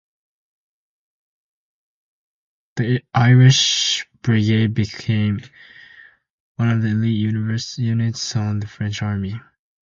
The Irish Brigade became one of the elite units of the French Army.